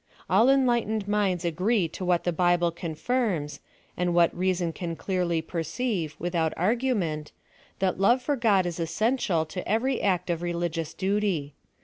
All enlightened minds agree to what the Bible confirms, and what reason can clearly perceive, without argument, that love for God is essential to every act of religious duty.